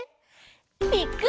ぴっくり！